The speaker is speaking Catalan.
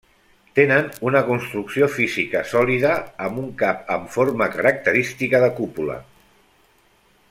Tenen una construcció física sòlida, amb un cap amb forma característica de cúpula.